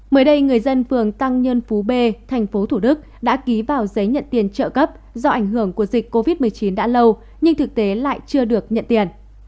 mới đây người dân phường tăng nhân phú b tp thủ đức đã ký vào giấy nhận tiền trợ cấp do ảnh hưởng của dịch covid một mươi chín đã lâu nhưng thực tế lại chưa được nhận tiền